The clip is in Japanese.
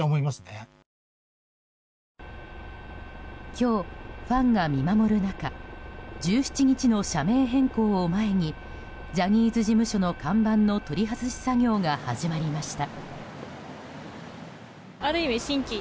今日、ファンが見守る中１７日の社名変更を前にジャニーズ事務所の看板の取り外し作業が始まりました。